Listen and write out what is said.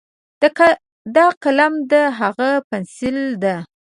دا قلم ده، هاغه پینسل ده.